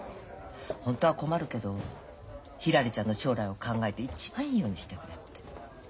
ホントは困るけどひらりちゃんの将来を考えて一番いいようにしてくれって。